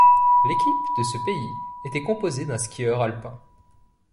L'équipe de ce pays était composée d'un skieur alpin.